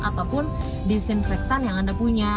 ataupun disinfektan yang anda punya